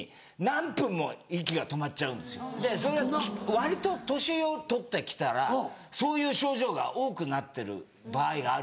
割と年を取ってきたらそういう症状が多くなってる場合があるんです。